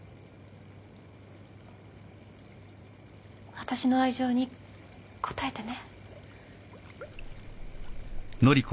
私の愛情に応えてね。